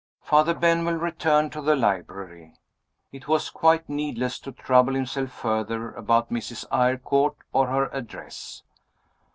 Father Benwell returned to the library. It was quite needless to trouble himself further about Mrs. Eyrecourt or her address.